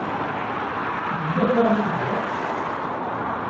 Yella kra i tebɣiḍ?